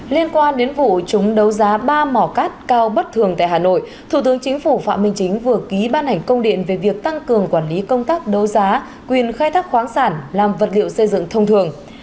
liên quan đến vụ chúng đấu giá ba mỏ cát cao bất thường tại hà nội thủ tướng chính phủ phạm minh chính vừa ký ban hành công điện về việc tăng cường quản lý công tác đấu giá quyền khai thác khoáng sản làm vật liệu xây dựng thông thường